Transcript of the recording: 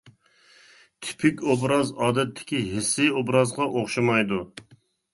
تىپىك ئوبراز ئادەتتىكى ھېسسىي ئوبرازغا ئوخشىمايدۇ.